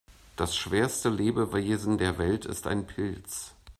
Das schwerste Lebewesen der Welt ist ein Pilz.